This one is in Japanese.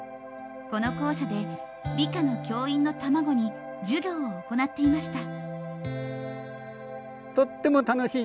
この校舎で理科の教員の卵に授業を行っていました。